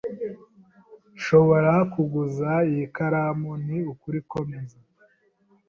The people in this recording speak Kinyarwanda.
"Nshobora kuguza iyi karamu?" "Ni ukuri, komeza."